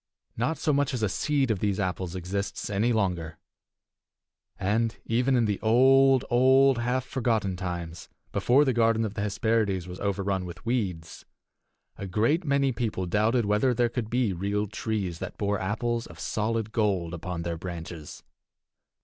Not so much as a seed of these apples exists any longer. And, even in the old, old, half forgotten times, before the garden of the Hesperides was overrun with weeds, a great many people doubted whether there could be real trees that bore apples of solid gold upon their branches.